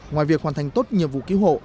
ngoài việc hoàn thành tốt nhiệm vụ cứu hộ